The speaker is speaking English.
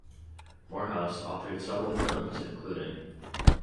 Morehouse authored several hymns including